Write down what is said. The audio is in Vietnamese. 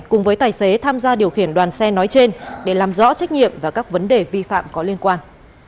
cùng với tài xế tham gia điều khiển đoàn xe nói trên để làm rõ trách nhiệm và các vấn đề vi phạm có liên quan